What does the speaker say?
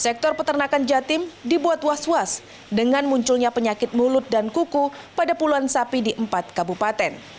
sektor peternakan jatim dibuat was was dengan munculnya penyakit mulut dan kuku pada puluhan sapi di empat kabupaten